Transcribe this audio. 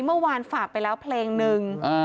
เมื่อวานฝากไปแล้วเพลงนึง